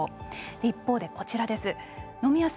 一方で、こちらです。